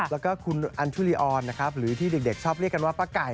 แล้วก็คุณอัญชุลีออนนะครับหรือที่เด็กชอบเรียกกันว่าป้าไก่